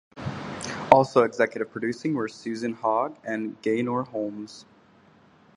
Also executive producing were Susan Hogg and Gaynor Holmes.